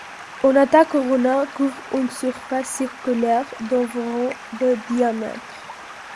Onatah Corona couvre une surface circulaire d'environ de diamètre.